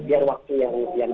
biar waktu yang berbicara